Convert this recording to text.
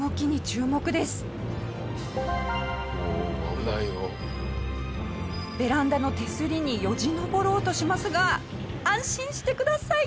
下平：ベランダの手すりによじ登ろうとしますが安心してください！